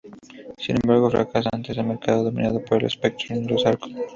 Sin embargo fracasa ante un mercado dominado por el Spectrum y los Acorn.